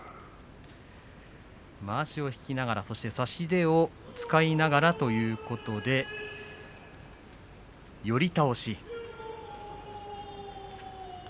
まわしを引きながら差し手を使いながらということで寄り倒しです。